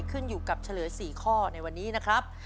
ขึ้นอยู่กับเฉลย๔ข้อในวันนี้นะครับ